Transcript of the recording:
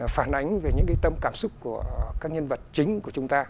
phản ánh về những tâm cảm xúc của các nhân vật chính của chúng ta